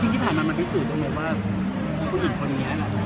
แกครับก็คือผมเป็นคนที่